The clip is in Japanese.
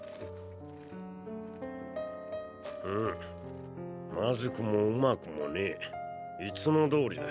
うんまずくもうまくもねぇ。いつもどおりだ。